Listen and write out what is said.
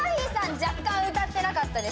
若干歌ってなかったです